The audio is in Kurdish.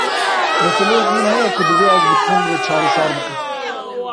Meseleyek min heye ku divê ez bi Tom re çareser bikim.